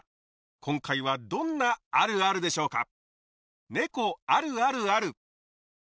今回はどんなあるあるでしょうか？